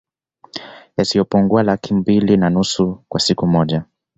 Yasiyopungua Laki mbili na nusu kwa siku moja